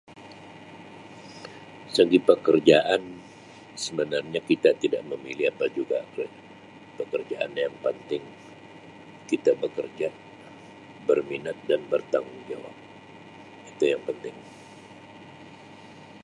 Segi pekerjaan sebenarnya kita tidak memilih apa juga pe-pekerjaan yang panting kita bekerja berminat dan bertanggungjawab itu yang penting.